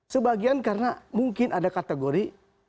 sebagian karena mungkin ada kategori